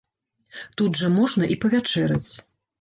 Тут жа можна і павячэраць.